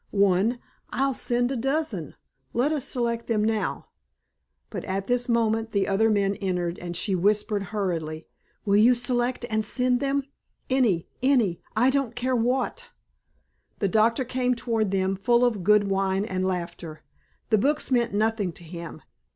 "One? I'll send a dozen. Let us select them now." But at this moment the other men entered and she whispered hurriedly, "Will you select and send them? Any any I don't care what." The doctor came toward them full of good wine and laughter. The books meant nothing to him.